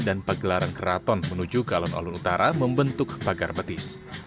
dan pagelarang kraton menuju galon alun utara membentuk pagar betis